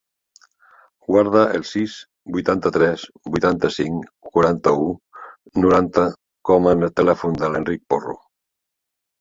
Guarda el sis, vuitanta-tres, vuitanta-cinc, quaranta-u, noranta com a telèfon de l'Enric Porro.